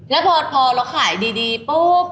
แล้วพอเราขายดีปุ๊บ